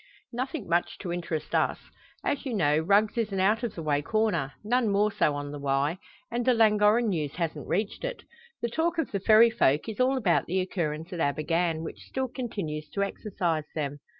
"Nothing much to interest us. As you know, Rugg's is an out of the way corner none more so on the Wye and the Llangorren news hasn't reached it. The talk of the Ferry folk is all about the occurrence at Abergann, which still continues to exercise them.